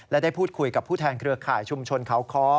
และได้พูดคุยกับผู้แทนเครือข่ายชุมชนเขาค้อ